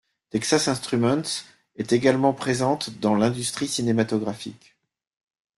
Texas Instruments est également présente dans l'industrie cinématographique.